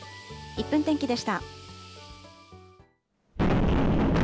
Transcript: １分天気でした。